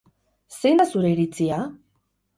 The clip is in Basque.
Zein da zure iritzia?